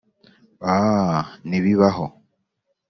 “Â Ntibibaho